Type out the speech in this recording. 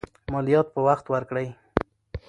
مالیات په وخت ورکړئ.